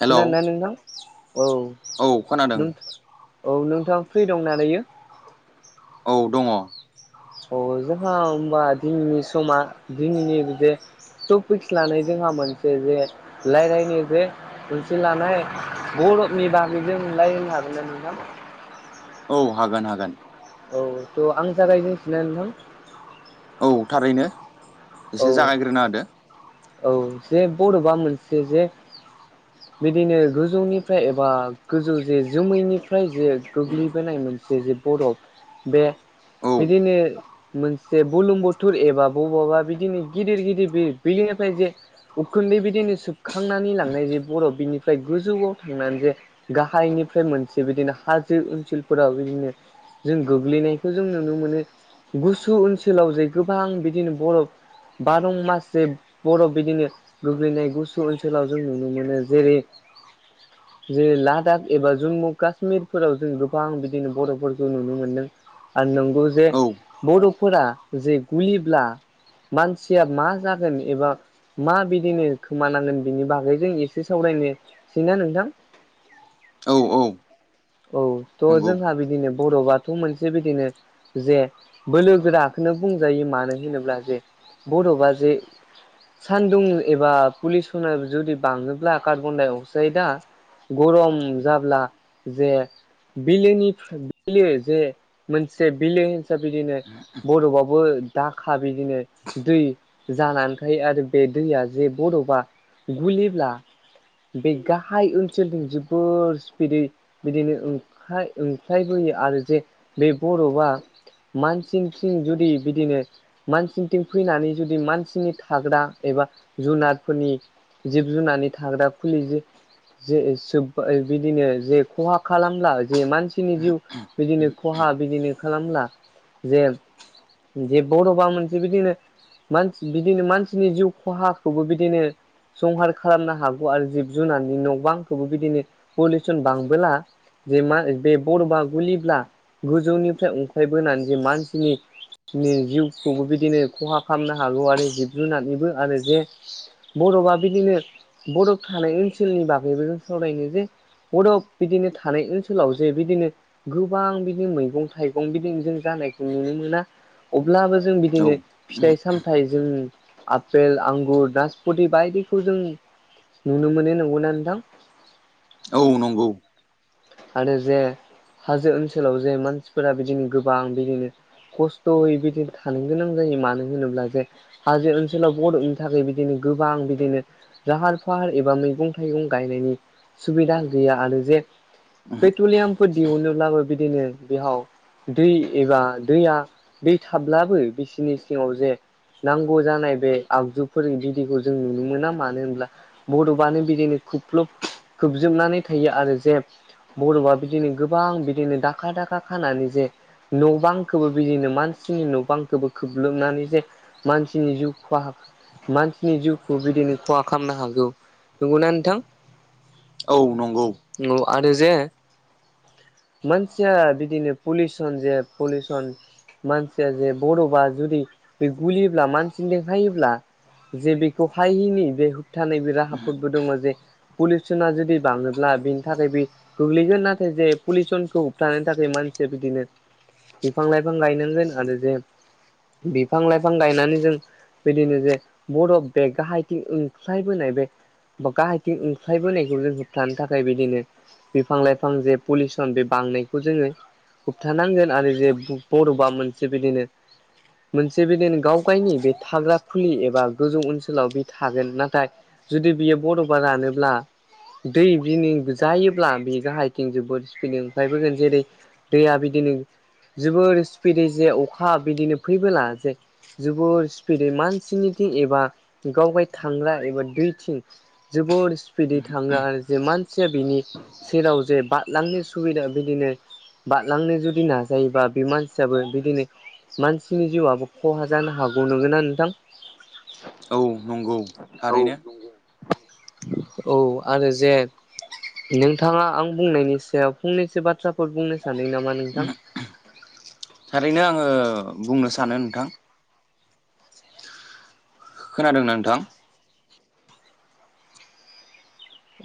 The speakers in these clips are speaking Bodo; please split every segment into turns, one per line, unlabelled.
हेलौ
खोनादों ना नोंथां औ
औ खोनादों
नोंथां औ नोंथाङा फ्रि दं ना दायो
औ दङ
अ जोंहा होमबा दिनैनि समा दिनि बिदि टपिक्स लानाय जोंहा मोनसे जे रायज्लायनो जे मोनसे लानाय बरनि बागै जों रायलायनो हागोन ना नोंथां
औ हागोन हागोन
औ थ' आं जागायजेनसैना नोंथां
औ थारैनो
औ
एसे जागायग्रोना होदो
औ जे बर'बा मोनसे जे बिदिनो गोजौनिफ्राय एबा गोजौ जे जोमैनिफ्राय जे गोग्लैबोनाय मोन जे जे बरफ बे बिदिनो मोनसे बुलुमबुथर एबा बबावबा बिदिनो गिदिर गिदिर बि फ्राय जे उखुन्दै बिदिनो सोबखांनानै लांनाय जे बर' बिनिफ्राय गोजौआव थांनानै जे गाहायनिफ्राय मोनसे बिदिनो हाजो ओनसोलफोराव बिदिनो जों गोग्लैनायखौ जों नुनो मोनो गुसु ओनसोलाव जे गोबां बिदिनो बरफ बार मास सिम बरफ बिदिनो गोग्लैनाय गुसु ओनसोलाव जों नुनो मोनो जेरै जेर लादाख एबा जम्मु काश्मिरफोराव जों गोबां बिदिनो बरफ'फोरखौ नुनो मोनदों आरो नंगौ जे
औ
बरफ'फोरा जे गुलिब्ला मानसिया मा जागोन एबा माबिदिनो खोमानांगोन बिनि बागै जों एसे सावरायनोसैना नोंथां
औ औ
[inaudible] औ थ'
नंगौ
जोंहा बिदिनो बरफआथ' मोनसे बिदिनो जे बोलो गोराखौनो बुंजायो मानो होनोब्ला जे बरफा जे सानदुं एबा पुलिसना जुदि बाङोब्ला कार्बन डाइ अक्साइदआ गरम जाब्ला जे बिलोनि बिलो जे मोनसे बिलो हसाबै बिदिनो बर'फआवबो दाखा बिदिनो दै जानानैखायो आरो बे दैया जे बरफबा गुलिब्ला बे गाहाय ओनसोलनि जोबोर स्पिडै बिदिनो ओंखाय ओंख्लायबोयो आरो जे बे बरफआ मानसिंथिं जुदि बिदिनो मानसिंथिं फैनानै जुदि मानसिनि थाग्रा एबा जुनारफोरनि जिब जुनारनि थाग्रा खुलि जि जे बिदिनो जे खहा खालामब्ला जे मानसिनि जिउ बिदिनो खहा बिदिनो खालामब्ला जे जे बरफबा मोनसे बिदिनो मानसि बिदिनो मानसिनि जिउ खहाखौबो बिदिनो संहार खालामनो हागौ आरो जिब जुनारनि न' बांखौबो बिदिनो पलिउसन बांबोला जे मा बे बर'फा गुलिब्ला गोजौनिफ्राय ओंख्लायबोनानै जे मानसिनि नि जिउखौबो बिदिनो खहा खालामनो हागौ आरो जिब जुनानिबो आरो जे बरफआ बिदिनो बरफ थानाय ओनसोलनि बागैबो जों सावरायनो जे बरफ बिदिनो थानाय ओनसोलाव जे बिदिनो गोबां बिदि मैगं थाइगं बिदि जों जानायखौ नुनो मोना अब्लाबो जों
औ
बिदिनो फिथाइ सामथाइ जों आफेल आंगुर नासपथि बायदिखौ जों नुनो मोनो नंगौना नोंथां
औ नंगौ
आरो जे हाजो ओनसोलाव जे मानसिफोरा बिदिनो गोबां बिदिनो खस्थ'यै बिदिनो थानो गोनां जायो मानो होनोब्ला जे हाजो ओनसोलाव बर'नि थाखाय बिदिनो गोबां बिदिनो लााहार फाहार एबा मैगं थाइगं गायनायनि सुबिदा गैया आरो जे पेट्रलियामफोर दिहुनोब्लाबो बिदिनो बेयाव दै एबा दैया दै थाब्लाबो बिसिनि सिङाव जे नांगौ जानाय बे आगजुफोर बिदिखौ जों नुनो मोना मानो होनब्ला बर'फानो बेदिनो खफ्लब खोबजोबनानै थायो आरो जे बर'फआ बिदिनो गोबां बिदिनो दाखा दाखा खानानै जे न' बांखौबो बिदिनो मानसिनि न' बांखौबो खोब्लोबनानै जे मानसिनि जिउ खहा मानसिनि जिउखौ बिदिनो खहा खालामनो हागौ नंगौना नोंथां।
औ नंगौ
नंगौ आरो जे मानसिया बिदिनो पलिउसन जे पलिउसन मानसिया जे बर'बा जुदि बे गुलियोब्ला मानसिनिदों फायोब्ला जे बेखौ हायिनि बे होबथानाय बे राहाफोरोदबो दङ जे पलिउसना जुदि बाङोब्ला बिनि थाखाय बे गोग्लैगोन नाथाय जे पलिउसनखौ होबथानो थाखाय मानसिया बिदिनो बिफां लाइफां गायनांगोन आरो जे बिफां लाइफां गायनानै जों बिदिनो जे बर'फ बे गाहायथिं ओंख्लायबोनाय बे बा गाहायथिं ओंख्लायबोनायखौ जों होबथानो थाखाय बिदिनो बिफां लाइफां जे पलिउसन बे बांनायखौ जोंङो होबथानांगोन आरो जे बर'बा मोनसे बिदिनो मोनसे बिदिनो गाव गायनि बे थाग्रा फुलि एबा गोजौ ओनसोलाव बे थागोन नाथाय जुदि बियो बर'फा रानोब्ला दै बिनि जायोब्ला बे गाहायथिं जोबोद स्पिड ओंखायबोगोन जेरै दैया बिदिनो जोबोर स्पिदै जे अखा बिदिनो फैबोला जे जोबोर स्पिदै मानसिनिथिं एबा गावगाय थांग्रा एबा दैथिं जोबद स्पिदै थाङो आरो जे मान सिया बेनि सेराव जे बादलांनो सुबिदा बिदिनो बादलांनो जुदि नाजायोबा बे मानसियाबो बिदिनो मानसिनि जिउआबो खहा जानो हागौ नंगौना नोंथां।
औ नंगौ थारैनो।
औ आरो जे नोंथाङा आं बुंनायनि सायाव फंनैसो बाथ्राफोर बुंनो सादों नामा नोंथां?
थारैनो आङो बुंनो सानो नोंथां खोनादोंना नोंथां।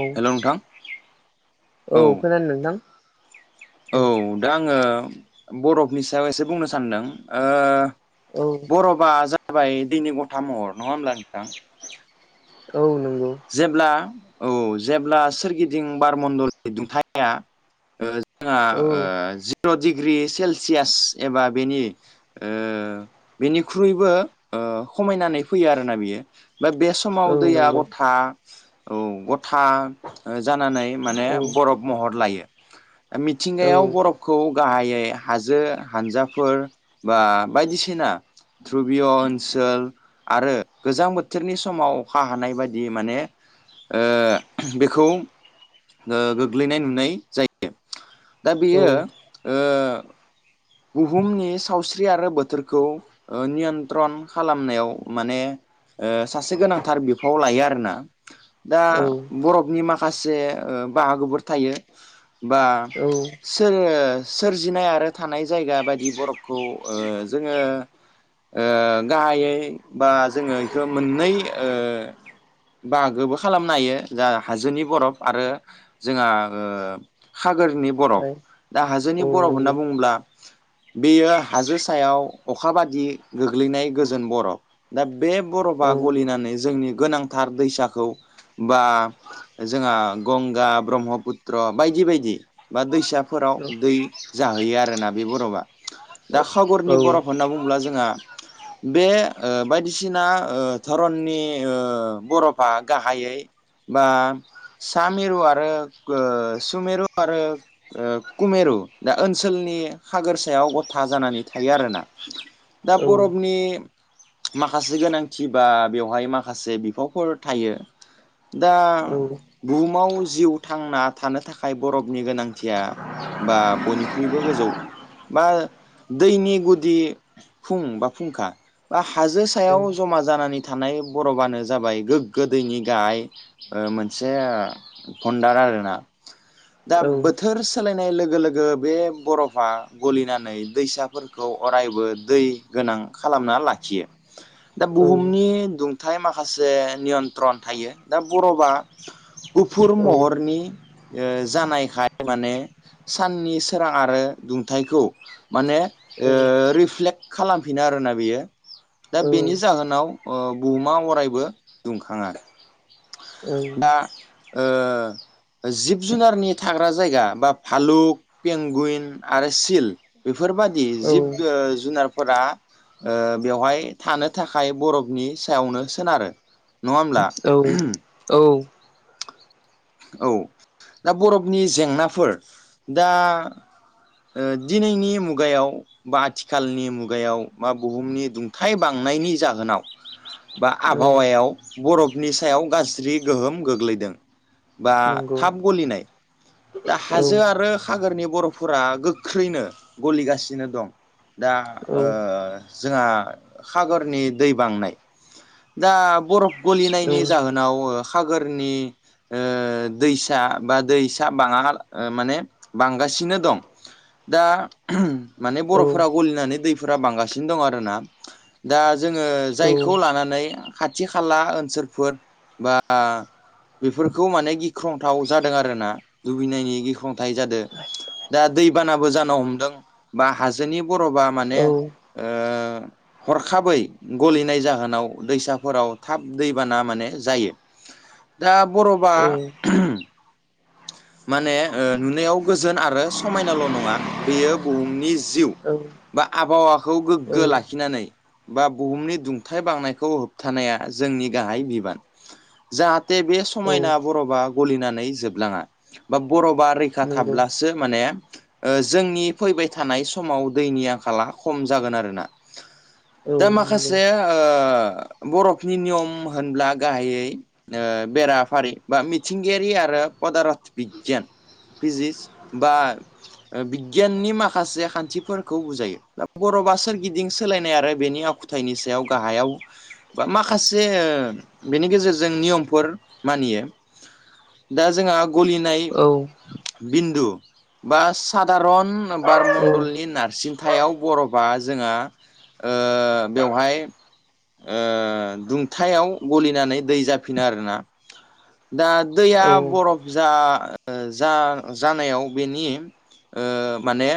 औ
हेल' नोंथां
औ खोनादों नोंथां।
औ दा आङो बरफनि सायाव एसे बुंनो सानदों ओ
औ
बरबा जाबाय दैनि गथा महर नङा होमब्ला नोंथां।
औ नंगौ
जेब्ला औ जेब्ला सोरगिदिं बारमण्डलनि दुंथाया ओ
औ
जोंहा जिर' डिग्रि सेलसियास एबा बेनि ओ बेनिख्रुइबो ओ खमायनानै फैयो आरोना बियो बा बे स
औ
माव दैया
नंगौ
गथा औ गथा जानानै माने
औ
बरफ महर लायो
औ
मिथिंगायाव बर'फ खौ गाहायै हाजो हानजाफोर बा बायदिसिना ध्रबिय ओनसोल आरो गोजां बोथोरनि समाव अखा हानाय बाय दि माने ओ बेखौ ओ गोग्लैनाय नुनाय जायो दा बेयो ओ बुहुमनि सावस्रि आरो बोथोरखौ नियन्त्रन खालामनायाव माने। सासे गोनांथार बिफावाव लायो आरोना। दा
औ औ
बरफनि माखासे बाहागोफोर थायो बा
ओमफ्राय
जोङो सोरजिनाय आरो थानाय जायगा बायदि बरफखौ ओ जोङो ओ गाहायै बा जोङो बेखौ मोननै ओ बाहागोबो खालामनो हायो जा हाजोनि बरफ आरो जोंहा हागरनि बरफ दा
औ
हाजोनि बरफ
नंगौ
होनना बुङोब्ला बेयो हाजो सायाव अखा बादि गोग्लैनाय गोजोन बरफ' दा बे
औ
बर'फा गलिनानै जोंनि गोनांथार दैसाखौ बा जोंहा गंगा ब्रह्मपुत्र बायदि बायदि बा दैसा फोराव
औ
दै जाहोयो आरोना बे बरफआ
औ
दा
औ
सागरनि बरफ होनना बुंङोब्ला जोंहा
[inaudible]
बे ओ बायदिसिना ओ धरननि ओ बरफ'फ्रा गाहायै बा सा मेरु ओ आरो सुमेरु आरो ओ कुमेरु दा ओनसोलनि सागोर सायाव गथा जानानै थायो आरोना दा
औ
बरफनि माखासे गोनांथि बा बेवहाय माखासे बिफावफोर थायो। दा
औ
बुहुमाव जिउ थांना थानो थाखाय बरफनि गोनांथिया बा बयनिख्रुइबो गोजौ। बा दैनि गुदि फुं बा फुंखा बा हाजो सायाव जमा जानानै थानाय बरफानो जाबाय गोग्गो दैनि गाहाय मोनसे भणडार आरोना। दा बोथोर सोलायनाय लोगो लोगो बे बरफ आ गलिनानै दैसाफोरखौ अरायबो दै गोनां खालामना लाखियो। दा
औ
बुहुमनि दुंथाय माखासे नियन्त्रन थायो दा बर'बा गुफुर महरनि ओ जानायखाय माने साननि सोरां आरो दुंथायखौ माने ओ रिफ्लेक्ट खालामफिनो आरोना बेयो। दा बेनि जाहोनाव बुहुमा अरायबो दुंखाङा। दा ओ जिब जुनारनि थाग्रा जायगा बा भालुक पेंगुइन आरो सिल बेफोरबादि जिब जुनारफोरा ओ बेवहाय थानो थाखाय बरफनि सायावनो सोनारो। नङा होनबा ओम औ दा बरफनि जेंनाफोर दा ओ दिनैनि मुगायाव बा आथिखालनि मुगायाव बा बुहुमनि दुंथाय बांनायनि जाहोनाव बा आबहावायाव बरफनि सायाव गाज्रि गोहोम गोग्लैदों। बा
नंगौ
थाब गलिनाय दा
औ
हाजो आरो सागरनि बरफ'फोरा गो ख्रैनो गलिगासिनो दं। दा ओ
औ
जोंहा सागरनि दै बांनाय। दा बरफ गलिनायनि जाहोनाव सागरनि ओ दैसा बा दैसा बाङा माने बांगासिनो दं। दा माने बर'फफोरा गलिनानै दैफोरा बांगासिनो दं आरोना। दा जोङो
औ
जायखौ लानानै खाथि खाला ओनसोलफोर बा बेफोरखौ माने गिख्रंथाव जादों आरोना दुबैनायनि गिख्रंथाय जादों। दा दैबानाबो जानो हमदों बा हाजोनि बर'बा माने
औ
ओ हरखाबै गलिनाय जाहोनाव दैसाफोराव थाब दैबाना माने जायो। दा बर'बा
औ
[unintelligible] माने ओ नुनायाव गोजोन आरो समाय नाल' नङा बेयो बुहुमनि जिउ
औ
बा आबहावाखौ
औ
गोग्गो लाखिनानै बा बुहुमनि दुंथाय बांनायखौ होबथानाया जोंनि गाहाय बिबान। जाहाथे बे
औ
समायना बरफआ गलिनानै जोबलाङा। बा बर'बा रैखा
नंगौ
थाब्लासो माने ओ जोंनि फैबाय थानाय समाव दैनि आंखाला खम जागोन आरोना।
औ
दा
नंगौ
माखासे ओ बरफनि नियम होनब्ला गाहायै ओ बेराफारि बा मिथिंगायारि आरो पदारत बिगियान पिजिस बा ओ बिगियाननि माखासे खान्थिफोरखौ बुजायो। दा बर'बा सोरगिदिं सोलायनाय आरो बेनि आखु थायनि सायाव गाहायाव बा माखासे ओ बेनि गेजेरजों नियमफोर मानियो। दा जोंहा गलिन नाइ
औ
बिनदु बा सादारन
औ
बारमण्डलनि नारसिन थायाव बर'बा जोंहा ओ बेवहाय ओ दुंथायाव गलिनानै दै जाफिनो आरोना। दा
औ
दैया बरफ जा ओ जा जानायाव बेनि ओ माने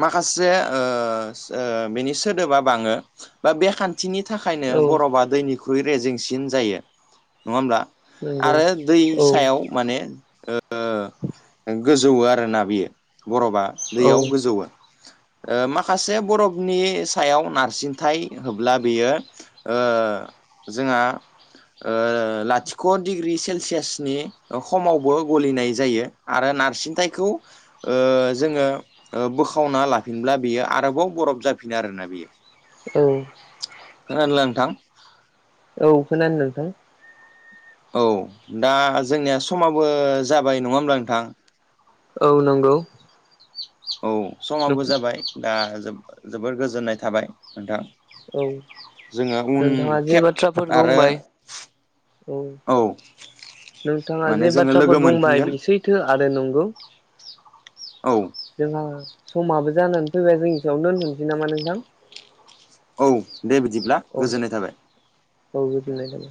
माखासे ओस ओ बेनि सोदोबा बाङो बा बे खान थिनि थाखायनो बरफआ दैनिख्रुइ रेजेंसिन जायो। नङा होमब्ला?
नंगौ
आरो दै
औ
सायाव माने ओ गोजौ आरोना बियो बर'बा दैयाव गोजौवो। ओ माखासे बरफनि सायाव नारसिनथाय होब्ला बेयो ओ जोंहा ओ लाथिख' डिग्रि सेलसियासनि ओ खमावबो गलिनाय जायो। आरो नारसिनथायखौ ओ जोङो ओ बो खावना लाफिनब्ला बियो आरोबाव बरफ जाफिनो आरोना बियो।
औ।
खोनादों ला नोंथां?
औ खोनानो नोंथां।
औ दा जोंनिया समाबो जाबाय नङा होमब्ला नोंथां?
औ नोंगौ।
औ समावबो जाबाय दा जोबो जोबोर गोजोननाय थाबाय नोंथां।
औ
जोङो उन
नोंथाङा जे
खेब
बाथ्राफोर
आरो
बुंबाय
औ।
नोंथाङा
माने
जे
जोङो लोगो
बाथ्राफोर बुंबाय
मोनफिनगोन
बे सैथो आरो नंगौ।
औ।
जोंहा समाबो जानानै फैबाय। जों बेसायावनो दोनथ'नसै नामा नोंथां?
औ दे बिदिब्ला
औ
गोजोन्नाय थाबाय।
औ गोजोन्नाय थाबाय।